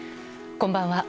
こんばんは。